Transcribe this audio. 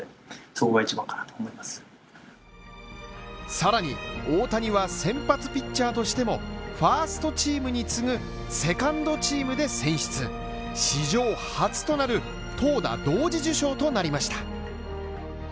さらに大谷は先発ピッチャーとしても、ファーストチームに次ぐセカンドチームで選出史上初となる投打同時受賞となりました。